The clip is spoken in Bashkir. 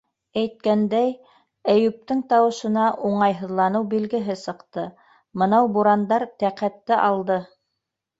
Әйткәндәй, - Әйүптең тауышына уңайһыҙланыу билгеһе сыҡты, - мынау бурандар тәҡәтте алды.